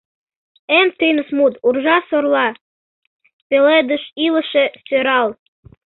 Эн тыныс мут — «уржа-сорла» — Пеледыш, илыше, сӧрал.